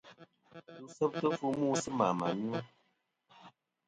Ndu seftɨ fu mu sɨ mà mà nyu.